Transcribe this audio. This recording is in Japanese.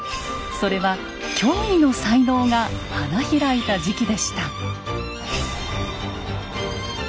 それは驚異の才能が花開いた時期でした。